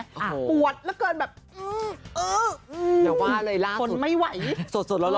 ปวดละเกิดแม่อ้าาอ้า๋